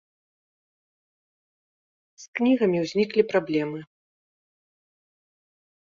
З кнігамі ўзніклі праблемы.